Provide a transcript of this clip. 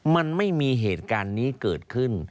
มันไม่มีเหตุการณ์นี้เกิดขึ้น